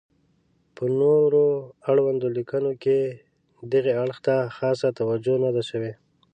په نور اړوندو لیکنو کې دغې اړخ ته خاصه توجه نه ده شوې.